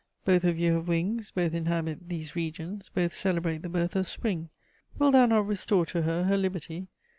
Both of you have wings, both inhabit these regions, both celebrate the birth of spring: wilt thou not restore to her her liberty?